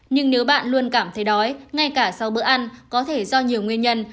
nhưng nếu bạn luôn cảm thấy đói ngay cả sau bữa ăn có thể do nhiều nguyên nhân